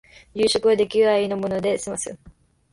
夕食は出来合いのもので済ます